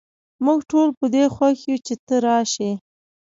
موږ ټول په دي خوښ یو چې ته راشي